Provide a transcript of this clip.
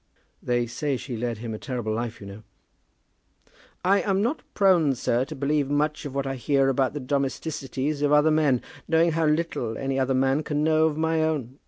"They say she led him a terrible life, you know." "I am not prone, sir, to believe much of what I hear about the domesticities of other men, knowing how little any other man can know of my own.